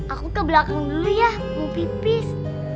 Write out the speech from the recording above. aku ke belakang dulu ya pipis